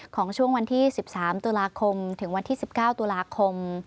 ของช่วงวันที่๑๓ตุลาคมถึงวันที่๑๙ตุลาคม